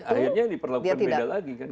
akhirnya diperlakukan beda lagi